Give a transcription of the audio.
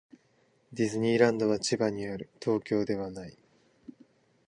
ディズニーランドは千葉にある。東京ではない。